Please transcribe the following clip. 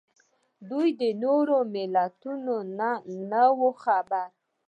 دوی د نورو ملتونو نه خبر وو